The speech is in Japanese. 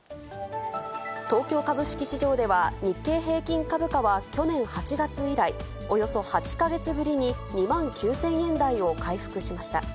東京株式市場では日経平均株価は去年８月以来、およそ８か月ぶりに２万９０００円台を回復しました。